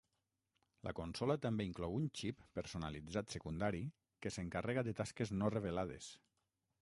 La consola també inclou un xip personalitzat secundari que s'encarrega de tasques no revelades.